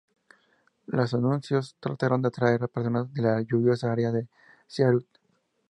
Los anuncios trataron de atraer personas de la lluviosa área de Seattle.